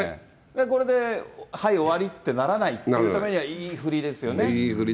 これで、はい終わりってならないためには、いいふりですよね。